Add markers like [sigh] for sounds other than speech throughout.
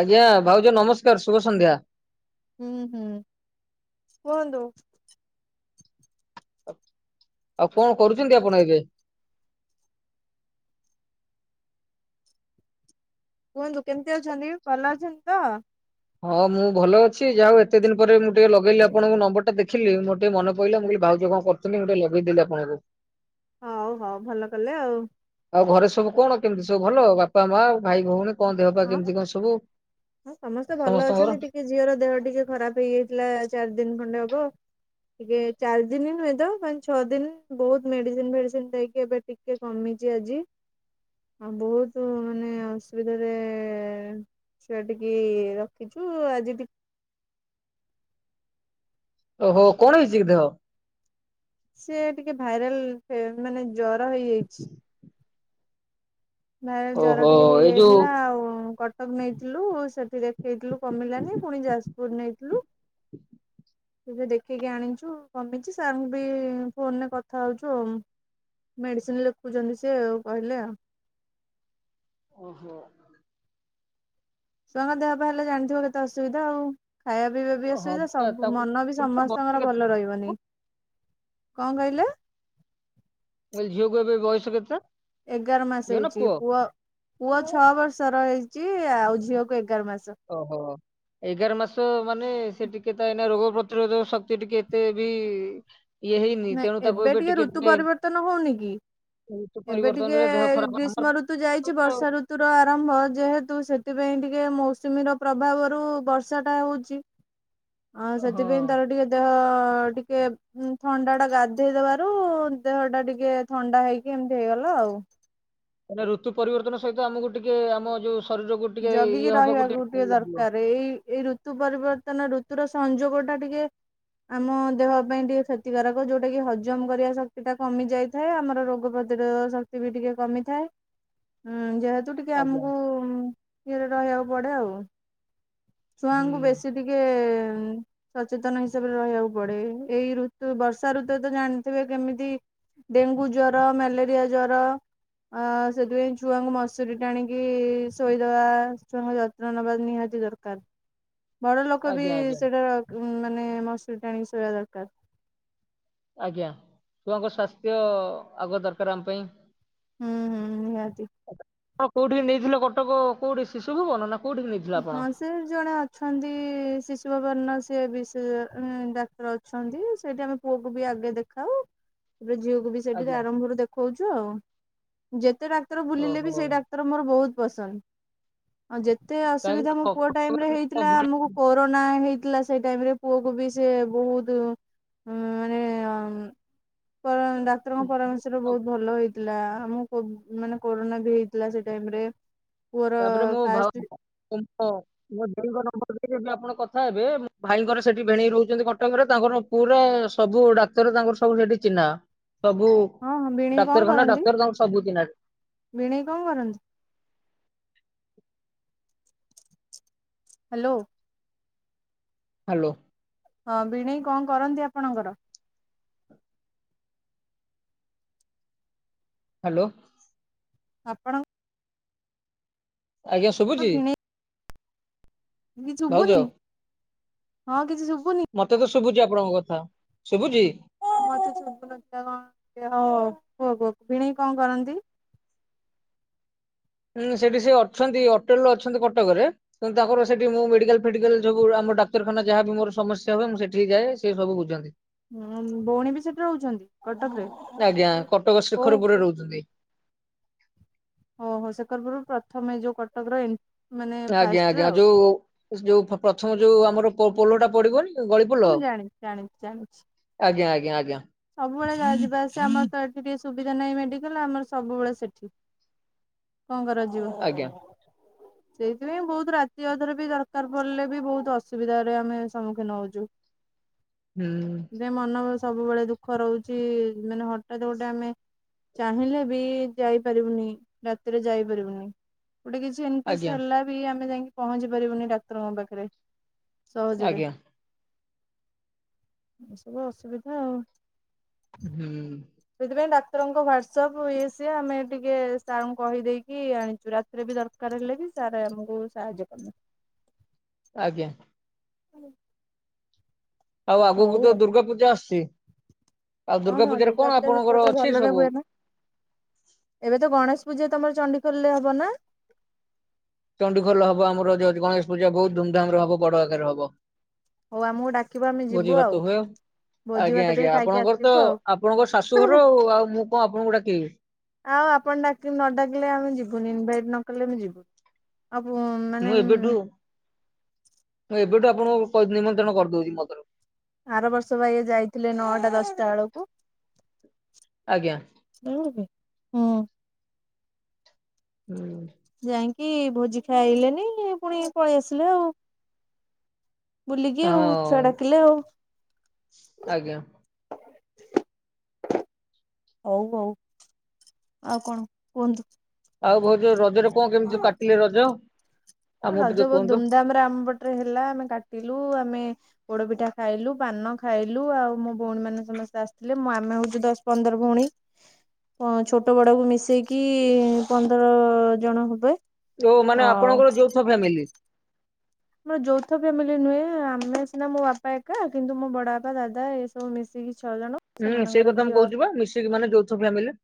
ଆଜ୍ଞା ଭାଉଜ ନମସ୍କାରେ ଶୁଭ ସନ୍ଧ୍ୟା। ହୁଁ ହୁଁ କୁଅନ୍ତୁ? ଆଉ କଣ କରୁଚନ୍ତି ଆପଣ ଏବେ? କୁଅନ୍ତୁ କେମିତି ଅଛନ୍ତି ଭଲ ଅଛନ୍ତି ତ? ହଁ ମୁଁ ଭଲ ଅଛି ଯାହା ହଉ ଏତେ ଦିନି ପରେ ମୁଁ ଟିକେ ଲଗେଇଲି ଆପଣଙ୍କୁ ନମ୍ବର ଟା ଦେଖି ଦେଖିଲି ମୋ ଟିକେ ମନ ପିଇଲାମୁଁ କହିଲି ଭାଉଜ କଣ କରୁଚନ୍ତି ମୁଁ ଟେ ଲଗେଇ ଦେଲି ଆପଣଙ୍କୁ। ହଉ ହଉ ଭଲ କଲେ ଆଉ। ଆଉ ଘରେ ସବୁ କଣ କେମିତି ସବୁ ଭଲ ବାପା ମା ଭାଇ ଭଉଣୀ କଣ ଦେହ ପା ହଁ କେମିତି କଣ ସବୁ? ହଁ ସମସ୍ତେ ଭଲ ସମସ୍ତଙ୍କର ଅଛନ୍ତି ଟିକେ ଝିଅର ଦେହ ଟିକେ ଖରାପ ହେଇଯାଇଥିଲା ଚାରି ଦିନି ଖଣ୍ଡେ ହବ। ଟିକେ ଚାରି ଦିନି ନୁହେଁ ତ ମାନେ ଛଅ ଦିନି ବହୁତୁ ମେଡିସିନ ଫେଡିସିନ ଦେଇକି ଏବେଟି ଟିକେ କମିଚି ଆଜି ଆଉ ବହୁତୁ ମାନେ ଅସୁବିଧାରେ ଛୁଆ ଟିକି ରଖିଚୁ ଆଜି ଓହୋ କଣ ହେଇଚି କି ଦେହ? ସେ ଟିକେ ଭାଇରାଲ ମାନେ ଜର ହେଇଯାଇଚି। ନାଇ ଜର ଓହୋ ଟିକେ ଏଇ ଯୋଉ ହେଇଯାଇଥିଲା ଆଉ କଟକ ନେଇଥିଲୁ ସେଠି ଦେଖେଇଥିଲୁ କମିଲାନି ପୁଣି ଯାଜପୁରୁ ନେଇଥିଲୁ। ତବେ ଦେଖିକି ଆଣିଚୁ କମିଚି ସାରର୍ଙ୍କୁ ବି ଫୋନ ରେ କଥା ହଉଚୁ ଆଉ। ମେଡିସିନ ଲେଖୁଚନ୍ତି ସେ ଆଉ କହିଲେ ଆଉ। ଓହୋ। ଛୁଆଙ୍କ ଦେହ ପା ହେଲେ ଜାଣିଥିବ କେତେ ଅସୁବିଧା ଆଉ। ଖାଇବା ପିଇବା ବି ହଁ ଅସୁବିଧା ପା ସବୁ ତାକୁ ମନ ବି ବୟସ ସମସ୍ତଙ୍କର କେତେ? ଭଲ ରହିବନି। ମୁଁ କଣ କହିଲେ? ମୁଁ କହିଲି ଝିଅକୁ ଏବେ ବୟସ କେତେ? ଏଗାର ଝିଅ ମାସେ ନା ହେଇଚି ପୁଅ ପୁଅ ଛଅ ବର୍ଷର ହେଇଚି ଆଉ ଝିଅକୁ ଏଗାର ମାସ। ଅହ। ଏଗାର ମାସ ମାନେ ସେ ଟିକେ ତ ଏଇନା ରୋଗ ପ୍ରତିରୋଧ ଶକ୍ତି ଟିକେ ଏତେ ବି ଇଏ ହେଇନି ତେଣୁ ନାଇ ତାକୁ ଏବେ ଟିକେ ଋତୁ ପରିବର୍ତ୍ତନ ହଉନି କି? ଋତୁ ଏବେ ଟିକେ ପରିବର୍ତ୍ତନରେ ଦେହ ଖରାପ ଆମର ଗ୍ରୀଷ୍ମ ଋତୁ ଯାଇଚି ବର୍ଷା ଋତୁ ତୁର ଆରମ୍ଭ ଯେହେତୁ ସେଥିପାଇଁ ଟିକେ ମୌସୁମୀର ପ୍ରଭାବରୁ ବର୍ଷା ଟା ହେଉଚି। ଆଁ ହଁ ସେଥିପାଇଁ ତାର ଟିକେ ଦେହ ଟିକେ ଥଣ୍ଡା ଟା ଗାଧେଇଦବାରୁ ଦେହ ଟା ଟିକେ ଥଣ୍ଡା ହେଇକି ଏମିତି ହେଇଗଲା ଆଉ। ମାନେ ଋତୁ ପରିବର୍ତ୍ତନ ସହିତ ଆମକୁ ଟିକେ ଆମ ଯୋଉ ଶରୀରକୁ ଟିକେ ଇଏ ଜଗିକି ହବାକୁ ରହିବାକୁ ଟିକେ ଲାଗିବ ଦରକାରେ ଏଇ ଏଇ ଋତୁ ଋତୁ ପରିବର୍ତ୍ତନ ଋତୁର ସଂଯୋଗ ଟା ଟିକେ ଆମ ଦେହ ପାଇଁ ଟିକେ କ୍ଷତିକାରକ ଯୋଉଟା କି ହଜମ କରିବା ଶକ୍ତି ଟା କମି ଯାଏ। ଥାଏ ଆମର ରୋଗ ପ୍ରତିରୋଧ ଶକ୍ତି ବି ଟିକେ କମିଥାଏଁ ଯେହେତୁ ତୁ ଟିକେ ଆଜ୍ଞା ଆମକୁ ଏରେ ରହିବାକୁ ପଡେ। ଆଉ ହୁଁ ଛୁଆଙ୍କୁ ବେଶୀ ଟିକେ ସଚେତନ ହିସାବରେ ରହିବାକୁ ପଡେ ଏଇ ଋତୁ ବର୍ଷା ଋତୁ ତ ଜାଣିଥିବେ କେମିତି ଡେଙ୍ଗୁ ଜର ମ୍ୟାଲେରିଆ ଜର। ଆ ସେଥିପାଇଁ ଛୁଆଙ୍କୁ ମସୁରୀ ଟାଣିକି। ଶୋଇଦବା ଛୁଆଙ୍କ ଯତ୍ନ ନବା ନିହାତି ଦରକାର ବଡ ଲୋକ ବି ଆଜ୍ଞା ଆଜ୍ଞା ସେଟା। ଉଁ ମାନେ ମସୁରୀ ଟା ଆଣିକି ଶୋଇବା ଦରକାର। ଆଜ୍ଞା ଛୁଆଙ୍କ ସ୍ୱାସ୍ଥ୍ୟ ଆଗ ଦରକାର ଆମ ପାଇଁ। ହୁଁ ହୁଁ ନିଆତି। ଆପଣ କୋଉଠି ନେଇଥିଲେ କଟକ କୋଉଠି ଶିଶୁ ଭୁବନ ନା କୋଉଠିିକି ନେଇଥିଲା ଆପଣ। ହୁଁ ସେ ଜଣେ ଅଛନ୍ତି ଶିଶୁ ଭବନ ର ସିଏ ବିଶେଷ ଡାକ୍ତର ଅଛ ଅଛନ୍ତି ସେଇଠି ଆମେ ପୁଅକୁ ବି ଆଗେ ଦେଖାଉ ଏବେ ଝିଅକୁ ବି। ସେଇଠି ତ ଆଜ୍ଞା ଆରମ୍ଭରୁ ଦେଖଉଛୁ ଆଉ ଯେତେ ଡାକ୍ତର ବୁଲିଲେ ବି ଓହୋ ସେଇ ଡାକ୍ ଡାକ୍ତର ମୋର ବହୁତ ପସନ୍ଦ। ଯେତେ କାହିଁକି ଅସୁବିଧା ନା ମୋ କ- ପୁଅ ଟାଇମ୍ ରେ କଟକରେ ମୋ ହେଇଥିଲା ଆମକୁ କ କରୋନା ହେଇଥିଲା ସେଇ ଟାଇମ ରେ ପୁଅ କି ବି ସେ ବହୁତ ଉଁ ମାନେ। କାରଣ ଡାକ୍ତରଙ୍କ ଭା- ପରାମର୍ଶରେ ବହୁତ ଭଲ ହେଇଛି। ହେଲା ଆମୁକୁ କୋଭ୍ କରୋନା ବି ହେଇଥିଲା ସେ ଟାଇମରେ ପୁଅ ର ତାପରେ ମୋ ଭାଉ ଫାଷ୍ଟ ମୋ ମୋ ଭେଣେଇ ଙ୍କର ନମ୍ବର ଦେବି ଆପଣ କଥା ହେବେ ମୋ ଭାଇଙ୍କର ସେଠି ଭେଣେଇ ରହୁଛନ୍ତି କଟକରେ ତାଙ୍କର। ପୁରା ସବୁ ଡାକ୍ତର ତାଙ୍କର ସବୁ ସେଠି ଚିହ୍ନା ସବୁ। ହଁ ହଁ ଭିଣେଇ କଣ ଡାକ୍ତରଖାନା କରନ୍ତି ଡାକ୍ତର ତାଙ୍କ ସବୁ ଚିହ୍ନା ସେ ଭିଣେଇ କଣ କରନ୍ତି? ହ୍ୟାଲୋ। ହାଲୋ। ହଁ ଭିଣେଇ କଣ କରନ୍ତି ଆପଣଙ୍କର? ହାଲୋ। ଆପଣଙ୍କ ଆଜ୍ଞା ଶୁଭୁଛି। ଭିଣେଇ କିଛି ଭାଉଜ ଶୁଭୁନି ହଁ କିଛି ଶୁଭୁନି। ମତେ ତ ଶୁଭୁଛି ଆପଣଙ୍କ କଥା ଶୁଭୁଛି। ମତେ ଶୁଭୁ ନଥିଲା କଁ ହଉ କୁହ କୁହ ଭିଣେଇ କଣ କରନ୍ତି? ହୁଁ ସେଠି ସେ ଅଛନ୍ତି ଅରଟେଲ୍ ରେ ଅଛନ୍ତି କଟକରେ। କିନ୍ତୁ ତାଙ୍କର ସେଠି ମୁଁ ମେଡାକାଲ୍ ଫେଡିକାଲ୍ ସବୁ ଆମ ଡାକ୍ତରଖାନା ଯାହା ବି ମୋର ସମସ୍ୟା ହଏ ମୁଁ ସେଠି କି ଯାଏ ସେ ସବୁ ବୁଝନ୍ତି। ହଁ ଭଉଣୀ ବି ସେଠି ରହୁଛନ୍ତି କଟକ ରେ। ଆଜ୍ଞା କଟକ ରେ ଶିଖରପୁରରେ ରହୁଛନ୍ତି। ଓହୋ ଶେଖରପୁରୁ ପ୍ରଥମେ ଯୋଉ କଟକର ଏନ ଆଜ୍ଞା ଆଜ୍ଞା ଯୋଉ ଯୋଉ ପ୍ରଥମ ଯୋଉ ଆମର ପୋ ପୋଲ ଟା ପଡିବ। ହ ମୁଁ ଜାଣିଛୁ ଜାଣିଛୁ ଜାଣିଛି। ଆଜ୍ଞା ଆଜ୍ଞା ଆଜ୍ଞା। ସବୁବେଳେ ଯାଏ ଯିବା ଆସିବା ଆମର ତ ଏଠି ଟିକେ ସୁବିଧା ନାହିଁ ମେଡିକାଲ ଆମର ସବୁବେଳେ ସେଠି। କଁ କରାଯିବ। ଆଜ୍ଞା। [inaudible] ସେଇଥିପାଇଁ ବହୁତ ରାତି ଅଧରେ ବି ଦରକାର ପଡିଲେ ବି ବହୁତ ଅସୁବିଧାରେ ଆମେ ସମ୍ମୁଖୀନ ହଉଛୁ। [inaudible] ହୁଁ। ଏ ମନ ସବୁବେଳେ ଦୁଃଖ ରହୁଛି ମାନେ ହଠାତ ଗୋଟେ ଆମେ। ଚାହିଁଲେ ବି ଯାଇପାରିବୁନି ରାତିରେ ଯାଇପାରିବୁନି। ଗୋଟେ କିଛି ଇନକେଶ୍ ଆଜ୍ଞା ହେଲା ବି ଆମେ ଯାଇକି ପହଞ୍ଚି ପାରିବୁନି ଡାକ୍ତରଙ୍କ ପାଖରେ। ସହଜରେ। ଆଜ୍ଞା ଏସବୁ ଅସୁବିଧା ଆଉ। ହୁଁ। ସେଇଥିପାଇଁ ଡାକ୍ତରଙ୍କ ହ୍ୱାଟସଆପ୍ ଇଏ ସିଏ ଆମେ ଟିକେ ସାରଙ୍କୁ କହିଦେଇକି ଆଣିଛୁ। ରାତି ରାତିରେ ବି ଦରକାର ହେଲେ ବି ସାର ଆମକୁ ସାହାଯ୍ୟ କରିବେ। ଆଜ୍ଞା। [inaudible] ଆଉ ଆଗକୁ ହଉ ତ ଦୁର୍ଗା ପୂଜା ଆସୁଛି। ଆଉ ହଁ ହଁ ପୂଜାରେ କଣ ଦୁର୍ଗା ପୂଜା ଆପଣଙ୍କର ସେପଟରେ ଅଛି ଭଲରେ ସବୁ ହୁଏ ନା। ଏବେ ତ ଗଣେଶ ପୂଜା ତମର ଚଣ୍ଡିଖୋଲ ରେ ହବ ନା। ଚଣ୍ଡିଖୋଲରେ ହବ ଆମର ଯୋଉ ଗଣେଶ ପୂଜା ବହୁତ ଧୁମଧାମରେ ହବ, ବଡ ଆକାରରେ ହବ। ହଉ ଆମକୁ ଡାକିବ ଆମେ ଭୋଜି ଯିବୁ ଭାତ ଆଉ। ହୁଏ ଭୋଜି ଆଜ୍ଞା ଭାତ ଟିକେ ଆଜ୍ଞା ଖାଇକି ଆପଣଙ୍କର ତ ଆସିବୁ ଆପଣଙ୍କର ଆଉ ଶାଶୁଘର ଆଉ ମୁଁ କଣ ଆପଣଙ୍କୁ ଡାକିବି। ଆଉ ଆପଣ ଡାକି ନ ଡାକିଲେ ଆମେ ଯିବୁନି। ଇନଭାଇଟ୍ ନ କଲେ ଆମେ ଯିବୁନି। ଆପ ମୁଁ ଏବେଠୁ ମୁଁ ଏବେଠୁ ଆପଣଙ୍କୁ କହି ନିମନ୍ତ୍ରଣ କରିଦଉଛି ମୋ ତରଫରୁ। ଆର ବର୍ଷବା ଇଏ ଯାଇଥିଲେ ନଅଟା ଦଶଟା ବେଳକୁ। ଆଜ୍ଞା। ଜଣ ହୁଁ [unintelligible] [inaudible] ଯାଇଁକି ଭୋଜି ଖାଇଲେନି ଇଏ ପୁଣି ପଳେଇ ଆସିଲେ ଆଉ। ବୁଲିକି ଆଉ ଛୁଆ ହଁ, ଡାକିଲେ ଆଉ ଆଜ୍ଞା। ହଉ ହଉ, ଆଉ କଣ କୁହନ୍ତୁ? ଆଉ ଏବର୍ଷ ରଜରେ କଣ କେମିତି କାଟିଲେ ରଜ? ଆମକୁ ଟିକେ ରଜ ବହୁତ କୁହନ୍ତୁ ଧୁମଧାମ ରେ ଆମ ପଟରେ ହେଲା ଆମେ କାଟିଲୁ। ଆମେ ପୋଡ ପିଠା ଖାଇଲୁ, ପାନ ଖାଇଲୁ, ଆଉ ମୋ ଭଉଣୀ ମାନେ ସମସ୍ତେ ଆସିଥିଲେ ମୁଁ ଆମେ ହଉଛୁ ଦଶ ପନ୍ଦର ଭଉଣୀ। ଛୋଟ ବଡକୁୁ ମିଶେଇକି ପନ୍ଦର ଜଣ ହେବେ। ଓ ମାନେ ଆଉ ଆପଣଙ୍କର ଯୌଥ ଫ୍ୟାମିଲି। ଆମର ଯୌଥ ଫ୍ୟାମିଲି ନୁହେଁ ଆମେ ସିନା ମୋ ବାପା ଏକା, କିନ୍ତୁ ମୋ ବଡ ବାପା ଦାଦା ଏସବୁ ମିଶିକି ଛଅ ଜଣ। ହୁଁ ସେଇ ସେମାନଙ୍କର କଥା ମୁଁ ଝିଅ କହୁଛି ବା ମିଶିକି ମାନେ ଯୋଉ ଫ୍ୟାମିଲି।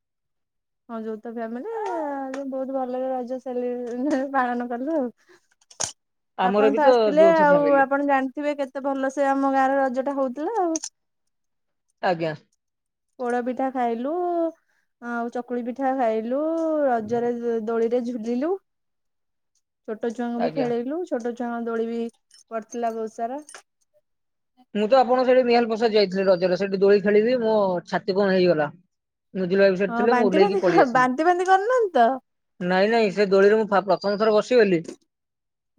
ହଁ ଯୌଥ ଫ୍ୟାମିଲି ବହୁତ ଭଲରେ ରଜ ସେଲି ପାଳନ କଲୁ ଆଉ। ଆମର ଆପଣ ବି ତ ଆସିଥିଲେ, ଯୌଥ ଆଉ ଫ୍ୟାମିଲି। ଆପଣ ଜାଣିଥିବେ କେତେ ଭଲ ସେ ଆମ ଗାଁରେ ରଜଟା ହଉଥିଲା ଆଉ। ଆଜ୍ଞା। ପୋଡ ପିଠା ଖାଇଲୁ। ଆଉ ଚକୁଳି ପିଠା ଖାଇଲୁ ରଜରେ ଦୋଳିରେ ଝୁଲିଲୁ। ଛୋଟ ଛୁଆଙ୍କୁ ବି ଆଜ୍ଞା। ଖେଳେଇଲୁ, ଛୋଟ ଛୁଆଙ୍କ ଦୋଳି ବି ପଡ଼ିଥିଲା ବହୁତ ସାରା। ମୁଁ ତ ଆପଣଙ୍କ ସେଠି ମିହାଲ ପ୍ରସାଦ ଯାଇଥିଲି ରଜରେ, ସେଠି ଦୋଳି ଖେଳିଲି ମୋ ଛାତି କଣ ହେଇଗଲା। ସେଠି ହଁ ଥିଲେ ମୁଁ ବାନ୍ତି ଓହ୍ଲେଇକି ବାନ୍ତି ପଳେଇ ଆସିଲି। ବାନ୍ତି ବାନ୍ତି କରୁନାହାନ୍ତି ନାଇଁ ନାଇଁ ସେ ଦୋଳିରେ ମୁଁ ପା ପ୍ରଥମ ଥର ବସିଗଲି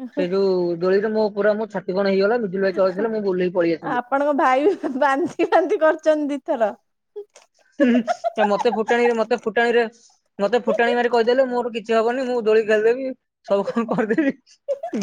ତ? ସେଇଠୁ ଦୋଳିରେ ମୋ ପୁରା ମୋ ଛାତି କଣ ହେଇଗଲା ବିଜୁଭାଇ ତଳେ ଥିଲେ ମୁଁ ଓହ୍ଲେଇଲି। ଆପଣଙ୍କ ଭାଇ ବାନ୍ତି ଫାନ୍ତି କରିଛନ୍ତି ଦିଥର। ମତେ ଫୁଟାଣୀରେ ମତେ ଫୁଟାଣୀରେ ମତେ ଫୁଟାଣି ମାରି କହିଦେଲେ ମୋର କିଛି ହବନି ମୁଁ ଦୋଳି ଖେଳିଦେବି ସବୁ କଣ କରିଦେବି।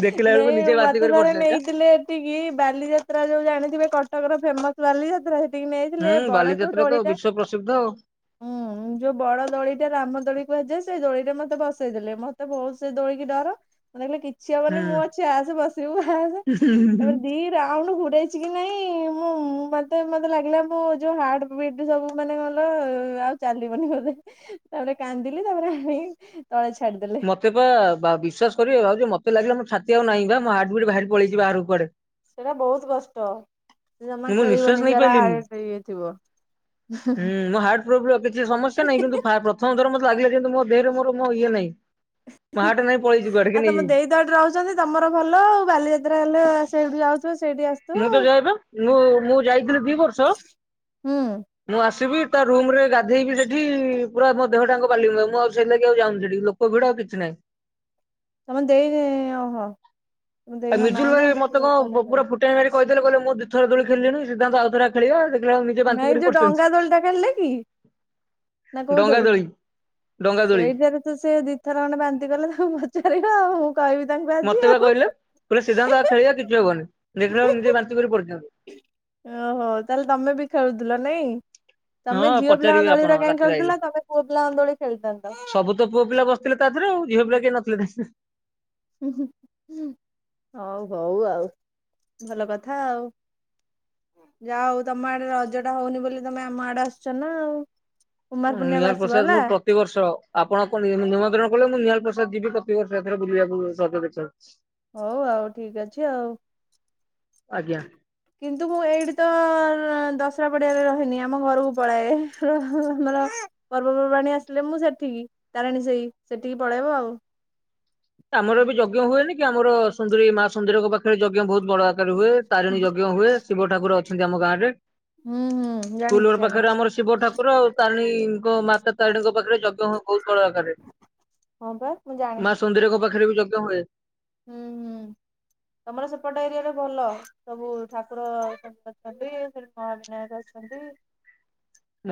ଦେଖିଲା ନେ ବେଳକୁ ନିଜେ ବାନ୍ତି ମତେ କରି ଥରେ ପଡିଛନ୍ତି ବା ନେଇଥିଲେ ସେଠିକି ବାଲିଯାତ୍ରା ଯୋଉ ଜାଣିଥିବେ, କଟକର ଫେମସ ବାଲିଯାତ୍ରା ସେଠିକି ହୁଁ, ନେଇଥିଲେ ବାଲିଯାତ୍ରା ତ ବିଶ୍ଵ ପ୍ରସିଦ୍ଧ ଆଉ। ଉଁ ଯୋଉ ବଡ ଦୋଳି ଟା ରାମ ଦୋଳି କୁହାଯାଏ, ସେଇ ଦୋଳିରେ ମତେ ବସେଇ ଦେଲେ। ମତେ ବହୁତ ସେ ଦୋଳିକି ଡର। ମତେ କହିଲେ କିଛି ହବନି ମୁଁ ଅଛି ଆସେ, ବସିବୁ ଆସେ। ହୁଁ ତାପରେ ଦି ରାଉଣ୍ଡ ଘୁରେ ଚିକି ନାଇଁ, ମୁଁ ମତେ-ମତେ ଲାଗିଲା ମୁଁ ଯୋଉ ହାର୍ଟ ବିଟ୍, ସବୁ ମାନେ କଣକଇଲ ଆଉ ଚାଲିବନି ବୋଧେ। ତାପରେ କାନ୍ଦିଲି, ତାପରେ ଆଣିକି ତଳେ ଛାଡିଦେଲେ। ତେବା ବା-ବିଶ୍ୱାସ କରିବେ, ଭାଉଜ ମତେ ଲାଗିଲା ମୋ ଛାତିଆଉ ନାହିଁ ବା, ମୋ ହାଟ ବିଟ୍ ବାହାରି ପଳେଇଛି ବାହାରକୁ କୁଆଡେ। ସେଇଟା ବହୁତ କଷ୍ଟ। ଜମା ମୁଁ ନିଶ୍ୱାସ ଖେଳିବନି ନେଇ ଯାର ପାଇଲିନି। ହାର୍ଟ୍ ଇଏ ଥିବ। ପୁଅ ପିଲା କିଛି ସମସ୍ୟା ନାହିଁ, କିନ୍ତୁ ଫା-ପ୍ରଥମଥର ମୋତେ ଲାଗିଲା ଯେମିତି ମୋର ଦେହରେ ମୋର ମୋ ଇଏ ନାହିଁ। ମୋ ହାର୍ଟ୍ ନାଇଁ, ପଳେଇଛିକୁଆଡେ, କିଏ ନେଇଯାଇଛି। ଏତେବାଟରୁ ଆଉଚନ୍ତି, ତମର ଭଲ ଆଉ। ବାଲିଯାତ୍ରା ହେଲେ ସେଇଠୁ ଯାଉଥିବ ସେଇଠି ଆ ମୁଁ ତ ଯାଏବା। ମୁଁ-ମୁଁ ଯାଇଥିଲି ଦି ବର୍ଷ ହୁଁ। ମୁଁ ଆସିବି ତା ରୁମ୍ ରେ ଗାଧେଇବି ସେଠି, ପୁରା ମୋ ଦେହ ଟାଙ୍କ ବାଲିି, ମୁଁ ଆଉ ସେଇତିଲାଗି ଆଉ ଯାଉନି ସେଠି। ଲୋ କଭିଡ, ଆଉ କିଛି ନାହିଁ। ତମେ ଦେଇ ଓହୋ। ତମେ ଆଉ ଦେଇଙ୍କ ମିଜୁଲ ନାଁ ଭାଇ ମତେ କଣ ଟା? ପୁରା ଫୁଟାଣି ମାରିକି କହିଦେଲେ, କଲେ ମୁଁ ଦିଥର ଦୋଳି ଖେିଳିଲିଣି। ସିଧାନ୍ତ ଆଉଥରେ ନାଇଁ ଯୋଉ ଡଙ୍ଗା ଦୋଳି ଟା ଖେଳିଲେ କି? ନା ଡଙ୍ଗା କୋଉଦୋଳି? ଦୋଳି ଡଙ୍ଗା ଦୋଳି ସେଇଠାରେ ତ ସେ ଦି ଦି ଥର ଖଣ୍ଡେ ବାନ୍ତିି କଲେ, ତାକୁ ପଚାରିବ ଆଉ। କହିବି ତାଙ୍କୁ ଆଜି ମତେ ବା ଆଉ। କହିଲେ। କହିଲେ ସିଦ୍ଧାନ୍ତ ଆ ଖେଳିବା କିଛି ହବନି। ଦେଖିଲା ବେଳକୁ ନିଜେ ବାନ୍ତି କରି ପଡିଛନ୍ତି। ଓହୋ ତାହଲେ ତମେ ବି ଖେଳୁଥିଲ। ନାଇଁ? ହଁ ତମେ ଝିଅ ପିଲାଙ୍କ ପଚାରିବେ ଦୋଳି ଆପଣ ଗୁଡା କାହିଁ ରାତିରେ ଆଇଲେ। ଖେଳୁଥିଲ? ତମେ ପୁଅ ପିଲାଙ୍କ ଦୋଳି ଖେଳିଥାନ୍ତ। ସବୁ ତ ପୁଅ ପିଲା ବସିଥିଲେ ତା ଦେହରେ ଆଉ। ଝିଅ ପିଲା କେହି ନଥିଲେ। ହଉ ହଉ ଆଉ। ଭଲ କଥା ଆଉ। ଯା ହୋଉ ତମ ଆଡେ ରଜ ଟା ହଉନି ବୋଲି, ତମେ ଆମ ଆଡେ ଆସୁଛ ନା ଆଉ। କୁମାର ପୂର୍ଣ୍ଣିମାକୁ ନିଆଲ ଆସିବ ପ୍ରସାଦ ହେଲା ମୁଁ ପ୍ରତିବର୍ଷ, ଆପଣ କଣ ନିମନ୍ତ୍ରଣ କଲେ ମୁଁ ନିଆଲ ପ୍ରସାଦ ଯିବି ପ୍ରତିବର୍ଷ, ଏଥର ବୁଲିବାକୁ ରଜ ଦେଖିବାକୁ। [inaudible] ହଉ ଆଉ, ଠିକ୍ ଅଛି ଆଉ। ଆଜ୍ଞା। କିନ୍ତୁ ମୁଁ ଏଇଠି ତ ଦଶରା ପଡିଆରେ ରହିନି, ଆମ ଘରକୁ ପଳାଏ। ଆମର ପର୍ବପର୍ବାଣୀ ଆସିଲେ ମୁଁ ସେଠିକି, ତାରିଣୀ ସେଇ, ସେଠିକି ପଳେଇବ ଆଉ। ଆମର ବି ଯଜ୍ଞ ହୁଏନି, କି ଆମର ସୁନ୍ଦରେଇ ମା ସୁନ୍ଦରେଇଙ୍କ ପାଖରେ ଯଜ୍ଞ ବହୁତ ବଡ ଆକାରରେ ହୁଏ। ତାରିଣୀ ଯଜ୍ଞ ହୁଏ। ଶିବ ଠାକୁର ଅଛନ୍ତି ଆମ ଗାଁରେ। ହୁଁ ହୁଁ ସ୍କୁଲ ଜାଣିଛି ଘର ପାଖରେ ଜାଣିଛି ଆମର ଶିବ ଠାକୁର ଆଉ ତାରିଣୀଙ୍କ ମାତା ତାରିଣୀଙ୍କ ପାଖରେ ଯଜ୍ଞ ହୁଏ ବହୁତ ବଡ ଆକାରରେ। ହଁ ପା ମୁଁ ଜା ମା ସୁନ୍ଦିରେଇଙ୍କ ପାଖରେ ବି ଯଜ୍ଞ ହୁଏ। ହୁଁ ହୁଁ। ତମର ସେପଟ ଏରିଆ ଟା ଭଲ। ସବୁ ଠାକୁର ସବୁ ଅଛନ୍ତି। ସେଟି ମହାବିନାୟକ ଅଛନ୍ତି।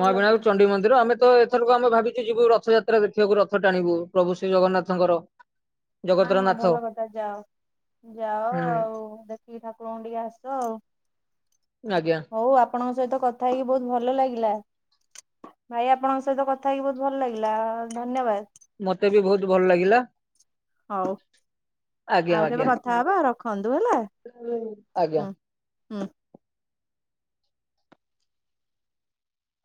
ଭଲ ସବୁ ଚଣ୍ଡୀ ମନ୍ଦିର, ଆମେ ତ ଏଥରକୁ ଆମେ ଭାବିଯୁ ଯିବୁ ରଥଯାତ୍ରା ଦେଖିବାକୁ, ରଥ ଟାଣିବୁ, ପ୍ରଭୁ ଶ୍ରୀ ଜଗନ୍ନାଥଙ୍କର। ହଁ ଜଗତର ହଁ ନାଥ ଭଲ କଥା ଯାଅ। ଯାଅ ହୁଁ ଆଉ ଦେଖିକି ଠାକୁରଙ୍କୁ ଟିକେ ଆସ ଆଉ। ଆଜ୍ଞା। ହଉ ଆପଣଙ୍କ ସହିତ କଥା ହେଇକି ବହୁତ୍ ଭଲ ଲାଗିଲା। ଭାଇ ଆପଣଙ୍କ ସହିତ କଥା ହେଇକି ବହୁତ୍ ଭଲ ଲାଗିଲା ଧନ୍ୟବାଦ୍ ମତେ ବି ବହୁତ୍ ଭଲ ଲାଗିଲା ହଉ ଆଜ୍ଞା ଆଉ କେବେ ଆଜ୍ଞା କଥା ହବା ରଖନ୍ତୁ ହେଲା ଆଜ୍ଞା। ହୁଁ ହଁ